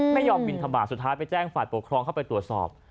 ไม่ยอมบินทบาทสุดท้ายไปแจ้งฝ่ายปกครองเข้าไปตรวจสอบ